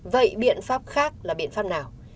vậy biện pháp khác là biện pháp nào